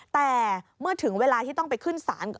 แต่เมื่อถึงเวลาที่ต้องไปขึ้นศาล